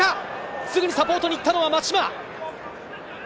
すぐにサポートに行ったのは松島。